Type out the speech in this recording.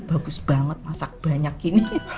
bagus banget masak banyak ini